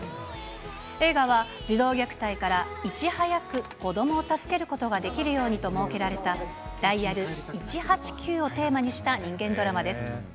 映画は、児童虐待からいち早く子どもを助けることができるようにと設けられた、ダイヤル１８９をテーマにした人間ドラマです。